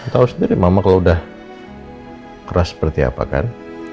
tahu sendiri mama kalau udah keras seperti apa kan